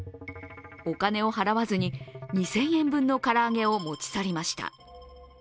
お金を払わずに２０００円分の唐揚げを持ち去りました。